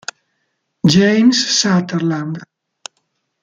James Sutherland